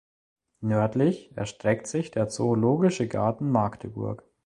Nördlich erstreckt sich der Zoologische Garten Magdeburg.